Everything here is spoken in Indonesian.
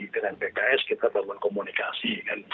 dengan pks kita bangun komunikasi